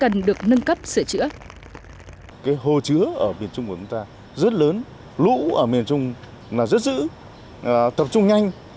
nâng cấp sửa chữa